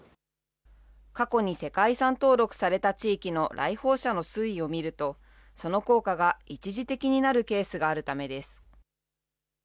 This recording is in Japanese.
過去に世界遺産登録された地域の来訪者の推移を見ると、その効果が一時的になるケースがあるためです。